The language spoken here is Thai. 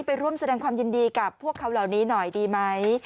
ไปร่วมแสดงความยินดีกับพวกเขาเหล่านี้หน่อยดีไหม